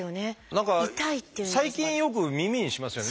何か最近よく耳にしますよね。